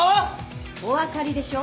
おわかりでしょう。